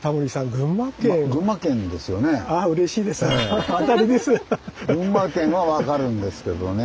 群馬県は分かるんですけどね。